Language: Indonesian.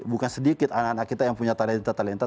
bukan sedikit anak anak kita yang punya talenta talenta